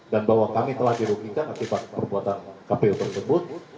dan bahwa kami telah dirugikan akibat perbuatan kpu tersebut